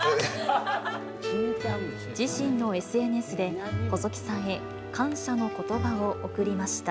自身のＳＮＳで、細木さんへ感謝のことばを贈りました。